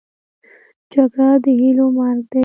جګړه د هیلو مرګ دی